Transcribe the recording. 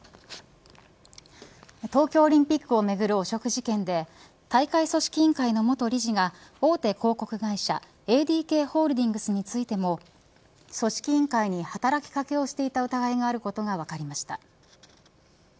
東京オリンピックを巡る汚職事件で大会組織委員会の元理事が大手広告会社ＡＤＫホールディングスについても組織委員会に働きかけをしていた疑いがあることが分かりました。